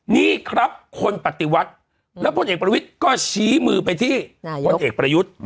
นี่ครับคนปฏิวัติแล้วพลเอกประวิทย์ก็ชี้มือไปที่พลเอกประยุทธ์